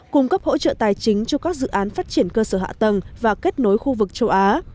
cung cấp hỗ trợ tài chính cho các dự án phát triển cơ sở hạ tầng và kết nối khu vực châu á